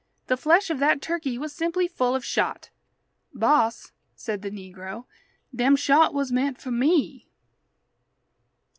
The flesh of that turkey was simply full of shot." "Boss," said the negro, "dem shot was meant for me."